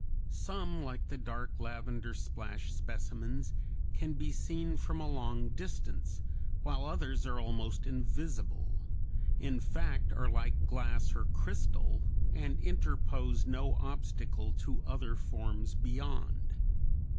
Some, like the dark, lavender splashed specimens, can be seen from a long distance, while others are almost invisible, in fact, are like glass or crystal, and interpose no obstacle to other forms beyond.